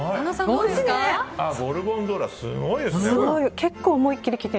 ゴルゴンゾーラすごいですね。